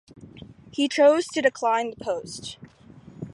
He chose to decline the post.